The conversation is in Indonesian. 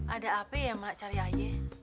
ada apa ya mak cari ayah